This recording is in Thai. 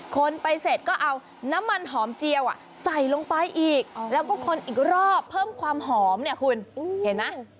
คนไปเสร็จก็เอาน้ำมันหอมเจียวใส่ลงไปอีกแล้วก็คนอีกรอบเพิ่มความหอมเนี่ยคุณเห็นไหม